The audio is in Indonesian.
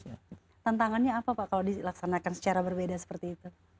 tantangannya apa pak kalau dilaksanakan secara berbeda seperti itu